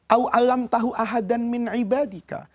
au'alamtahu ahadan min ibadika